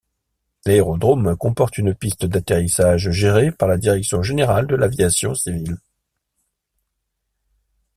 L'aérodrome comporte une piste d'atterrissage gérée par la Direction Générale de l'Aviation Civile.